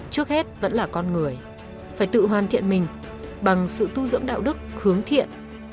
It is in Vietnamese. trước hết vẫn là con người phải tự hoàn thiện mình bằng sự tu dưỡng đạo đức hướng thiện